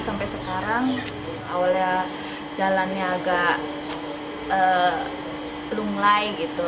sampai sekarang awalnya jalannya agak lunglai gitu